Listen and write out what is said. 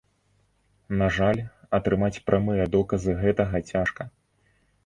На жаль, атрымаць прамыя доказы гэтага цяжка.